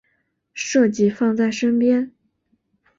设计放在身边